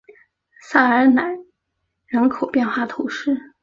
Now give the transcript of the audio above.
塞尔奈人口变化图示